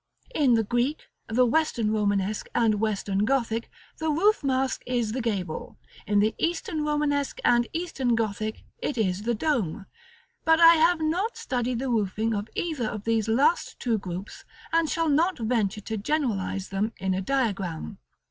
] In the Greek, the Western Romanesque, and Western Gothic, the roof mask is the gable: in the Eastern Romanesque, and Eastern Gothic, it is the dome: but I have not studied the roofing of either of these last two groups, and shall not venture to generalize them in a diagram.